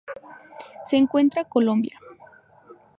Se encuentra Colombia.